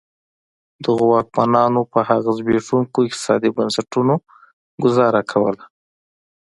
دغو واکمنانو په هغه زبېښونکو اقتصادي بنسټونو ګوزاره کوله.